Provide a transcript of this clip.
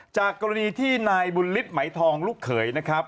จากกรณีที่นายบุญฤทธิไหมทองลูกเขยนะครับ